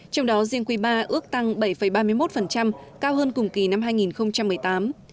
trong đó riêng quy ba ước tăng bảy ba mươi một cao hơn cùng kỳ năm hai nghìn một mươi tám